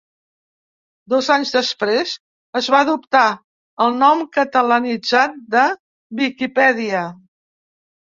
Dos anys després es va adoptar el nom catalanitzat de “Viquipèdia”.